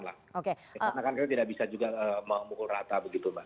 karena kan kita tidak bisa juga mengumumkul rata begitu